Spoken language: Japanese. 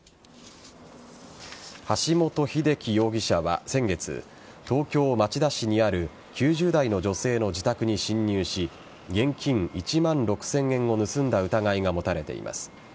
橋本英樹容疑者は先月東京・町田市にある９０代の女性の自宅に侵入し現金１万６０００円を盗んだ疑いが持たれています。